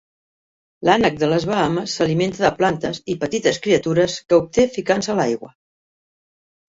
L'ànec de les Bahames s'alimenta de plantes i petites criatures que obté ficant-se a l'aigua.